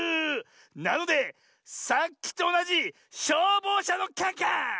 なのでさっきとおなじしょうぼうしゃのカンカン！